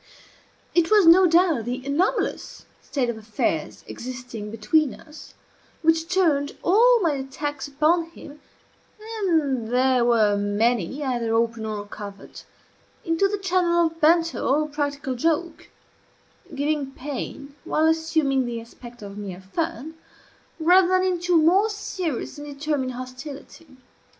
It was no doubt the anomalous state of affairs existing between us which turned all my attacks upon him (and they were many, either open or covert) into the channel of banter or practical joke (giving pain while assuming the aspect of mere fun) rather than into a more serious and determined hostility.